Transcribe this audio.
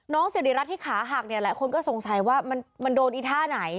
น้องเสียดิรัสที่ขาหักคงสงสังใจว่ามันโดนไอ้ท่าไหน